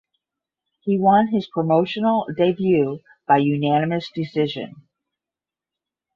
He won his promotional debut by unanimous decision.